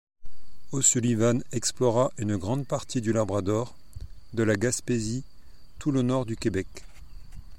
O'Sullivan explora une grande partie du Labrador, de la Gaspésie, tout le Nord-du-Québec.